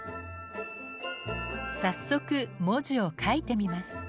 早速文字を書いてみます。